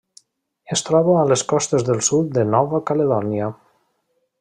Es troba a les costes del sud de Nova Caledònia.